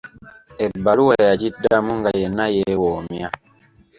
Ebbaluwa yagiddamu nga yenna yeewoomya.